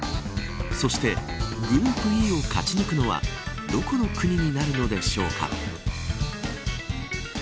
そしてグループＥを勝ち抜くのはどこの国になるのでしょうか。